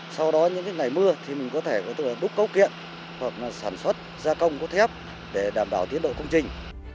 sau đó những ngày mưa mình có thể đúc cấu kiện hoặc sản xuất gia công của thiếp để đảm bảo tiến độ công trình